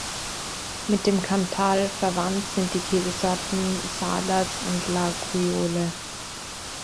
Mit dem Cantal verwandt sind die Käsesorten Salers und Laguiole.